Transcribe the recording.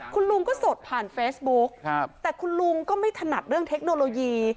คุณลุงก็สดผ่านเฟซบุ๊กแต่คุณลุงก็ไม่ถนัดเรื่องเทคโนโลยี